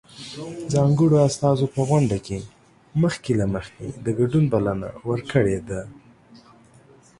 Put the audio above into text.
ځانګړو استازو په غونډه کې مخکې له مخکې د ګډون بلنه ورکړې ده.